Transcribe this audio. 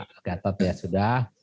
pak gatot ya sudah